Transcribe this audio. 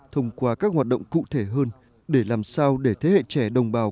thông qua các hoạt động cụ thể hơn để làm sao để thế hệ trẻ đồng bào